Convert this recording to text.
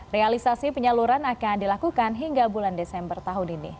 realisasi penyaluran akan dilakukan hingga bulan desember tahun ini